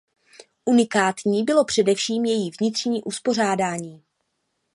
Unikátní bylo především její vnitřní uspořádání.